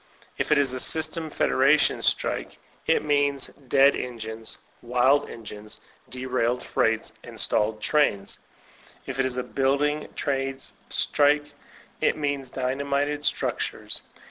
* If it is a system federation strike, it means ''dead" engines, wild engines, derailed freights, and stalled trains. If it b a building trades strike, it means dynamited structures.